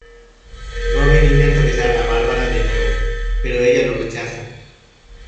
Robin intenta besar a Bárbara de nuevo, pero ella lo rechaza.